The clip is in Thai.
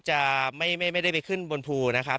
จะไม่ได้ไปขึ้นบนภูนะครับ